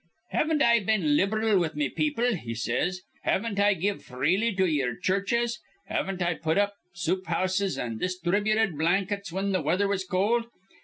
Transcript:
'Haven't I been lib'ral with me people?' he says. 'Haven't I give freely to ye'er churches? Haven't I put up soup houses an' disthributed blankets whin th' weather was cold?